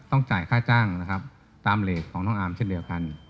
จ่ายค่าจ้างนะครับตามเลสของน้องอาร์มเช่นเดียวกัน